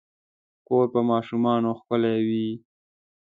کور په ماشومانو ښکلے وي